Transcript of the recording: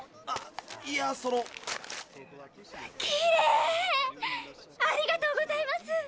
ありがとうございます。